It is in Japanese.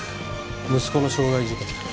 息子の傷害事件